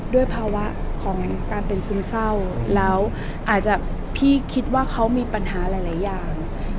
ด้วยภาวะของการเป็นซึมเศร้าแล้วอาจจะพี่คิดว่าเขามีปัญหาหลายอย่าง